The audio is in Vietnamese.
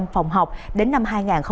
phòng học đến năm hai nghìn hai mươi năm